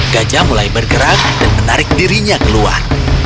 gajah mulai bergerak dan menarik dirinya keluar